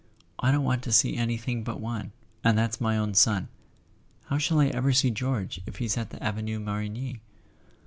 "I don't want to see anything but one; and that's my own son. How shall I ever see George if he's at the Avenue Marigny